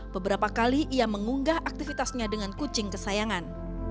beberapa kali ia mengunggah aktivitasnya dengan kucing kesayangan